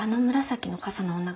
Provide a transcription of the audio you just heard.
紫の傘の女？